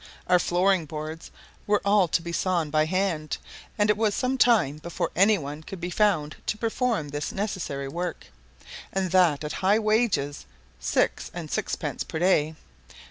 Our flooring boards were all to be sawn by hand, and it was some time before any one could be found to perform this necessary work, and that at high wages six and sixpence per day.